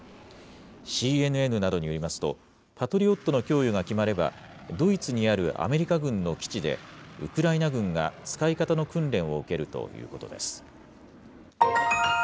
ＣＮＮなどによりますと、パトリオットの供与が決まれば、ドイツにあるアメリカ軍の基地で、ウクライナ軍が使い方の訓練を受けるということです。